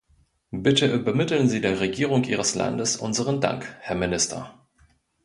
Bitte übermitteln Sie der Regierung Ihres Landes unseren Dank, Herr Minister.